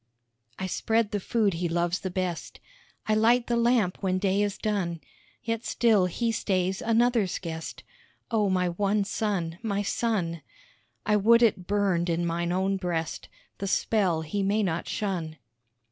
I spread the food he loves the best, I light the lamp when day is done, Yet still he stays another's guest Oh, my one son, my son. I would it burned in mine own breast The spell he may not shun.